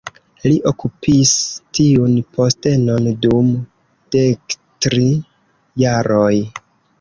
Li okupis tiun postenon dum dektri jaroj.